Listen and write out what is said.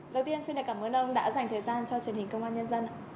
đầu tiên xin cảm ơn ông đã dành thời gian cho truyền hình công an nhân dân